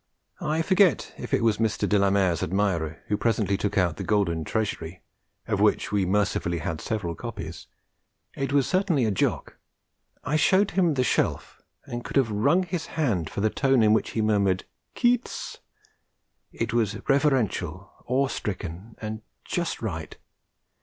I forget if it was Mr. de la Mare's admirer who presently took out The Golden Treasury, of which we mercifully had several copies; it was certainly a Jock. I showed him the Shelf, and could have wrung his hand for the tone in which he murmured 'Keats!' It was reverential, awe stricken and just right.